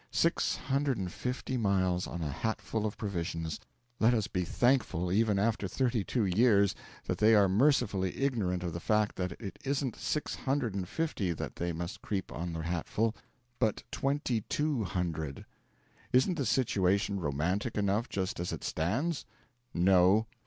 Six hundred and fifty miles on a hatful of provisions. Let us be thankful, even after thirty two years, that they are mercifully ignorant of the fact that it isn't six hundred and fifty that they must creep on the hatful, but twenty two hundred! Isn't the situation romantic enough just as it stands? No.